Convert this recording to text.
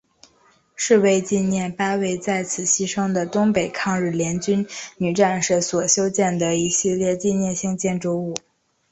是为纪念八位在此牺牲的东北抗日联军女战士所修建的一系列纪念性建筑物。